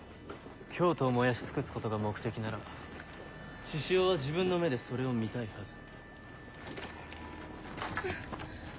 京都を燃やし尽くすことが目的なら志々雄は自分の目でそれを見たいはず。